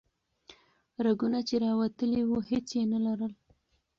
رګونه چې راوتلي وو هیڅ یې نه لرل.